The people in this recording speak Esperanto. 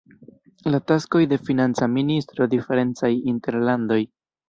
La taskoj de financa ministro diferencaj inter landoj.